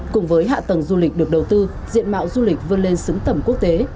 cùng với hạ tầng du lịch được đầu tư diện mạo du lịch vươn lên xứng tầm quốc tế